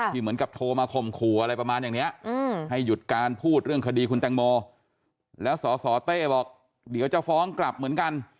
เหมือนกับโทรมาข่มขู่อะไรประมาณอย่างนี้ให้หยุดการพูดเรื่องคดีคุณแตงโมแล้วสสเต้บอกเดี๋ยวจะฟ้องกลับเหมือนกัน